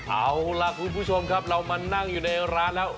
เอาล่ะคุณผู้ชมครับเรามานั่งอยู่ในร้านแล้ว